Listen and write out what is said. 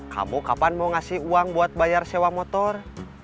kamu kapan mau ngasih uang buat bayar sewa motor